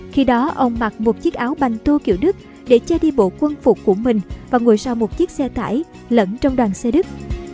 khi đó ông mặc một chiếc áo bành tô kiểu đức để che đi bộ quân phục của mình và ngồi sau một chiếc xe tải lẫn trong đoàn xe đức